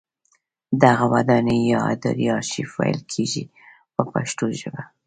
دغه ودانۍ یا ادارې ارشیف ویل کیږي په پښتو ژبه.